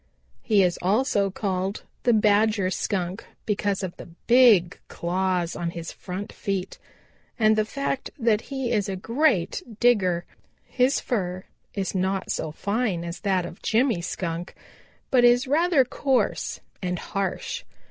He is also called the Badger Skunk because of the big claws on his front feet and the fact that he is a great digger. His fur is not so fine as that of Jimmy Skunk, but is rather coarse and harsh.